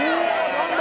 何だ？